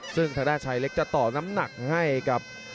ซึ่งทางด้านชายเล็กจะต่อน้ำหนักให้กับ